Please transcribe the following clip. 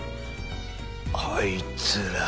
あいつら。